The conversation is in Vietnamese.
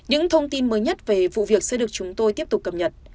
những thông tin mới nhất về vụ việc sẽ được chúng tôi tiếp tục cập nhật